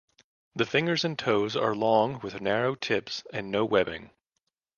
The fingers and toes are long with narrow tips and no webbing.